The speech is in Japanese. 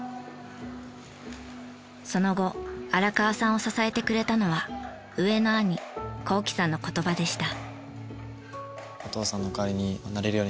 その後荒川さんを支えてくれたのは上の兄幸輝さんの言葉でした。